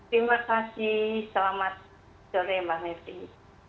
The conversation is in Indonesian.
terima kasih selamat sore mbak mepri